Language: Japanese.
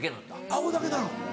顎だけなの？